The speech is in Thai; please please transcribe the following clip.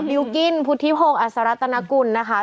วิวกิ้นพุทธิพงศ์อัศรัตนกุลนะคะ